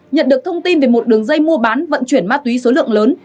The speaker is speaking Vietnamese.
nhận được thông tin về một đường dây mua bán vận chuyển ma túy số lượng lớn